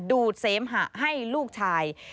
ดูดเสมหะให้ลูกชาย